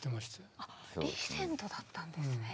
あっリーゼントだったんですね。